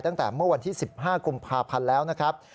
ตั้งแต่เมื่อวันที่๑๕กุมภาพันธ์แล้วนะครับ